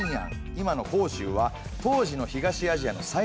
今の杭州は当時の東アジアの最大の貿易港。